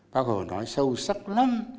bác hồ nói sâu sắc lắm